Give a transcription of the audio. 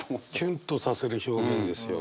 キュンとさせる表現ですよね。